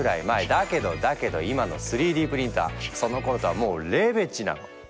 だけどだけど今の３Ｄプリンターそのころとはもうレベチなの！